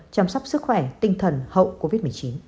chăm sóc sức khỏe tinh thần hậu covid một mươi chín